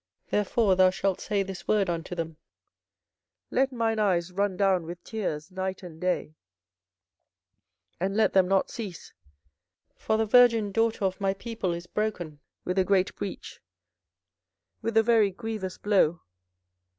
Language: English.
24:014:017 Therefore thou shalt say this word unto them; Let mine eyes run down with tears night and day, and let them not cease: for the virgin daughter of my people is broken with a great breach, with a very grievous blow.